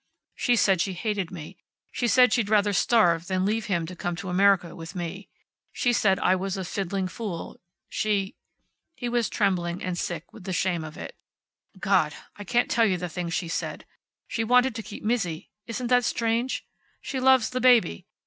She said she hated me. She said she'd rather starve than leave him to come to America with me. She said I was a fiddling fool. She " he was trembling and sick with the shame of it "God! I can't tell you the things she said. She wanted to keep Mizzi. Isn't that strange? She loves the baby.